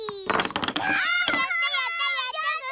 あやったやったやったぐ！